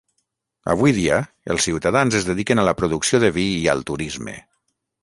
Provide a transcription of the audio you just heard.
Avui dia els ciutadans es dediquen a la producció de vi i al turisme.